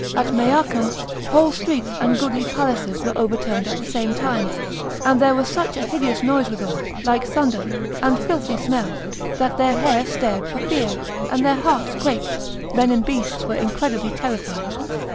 At Meacum whole streets and goodly palaces were overturned at the same time, and there was such a hideous noise withal, like thunder, and filthy smell, that their hair stared for fear, and their hearts quaked, men and beasts were incredibly terrified.